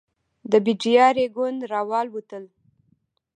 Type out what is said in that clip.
د بېدیا رېګون راوالوتل.